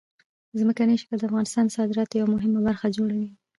ځمکنی شکل د افغانستان د صادراتو یوه مهمه برخه جوړوي.